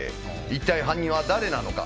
一体犯人は誰なのか。